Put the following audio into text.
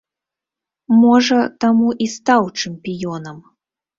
Можа, таму і стаў чэмпіёнам.